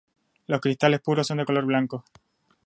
Los cristales puros son de color blanco.